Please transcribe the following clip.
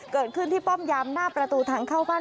เกิดขึ้นที่ป้อมยามหน้าประตูทางเข้าบ้าน